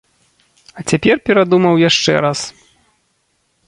А цяпер перадумаў яшчэ раз.